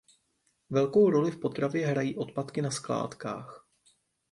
Velkou roli v potravě hrají odpadky na skládkách.